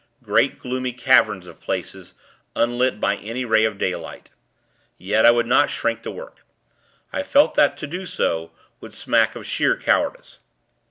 Great, gloomy caverns of places, unlit by any ray of daylight. Yet, I would not shirk the work. I felt that to do so would smack of sheer cowardice.